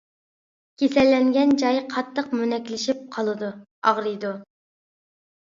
كېسەللەنگەن جاي قاتتىق مونەكلىشىپ قالىدۇ، ئاغرىيدۇ.